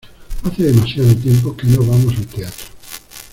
Hace demasiado tiempo que no vamos al teatro.